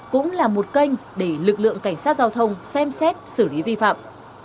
cũng là một kênh để lực lượng cảnh sát giao thông xem xét xử lý vi phạm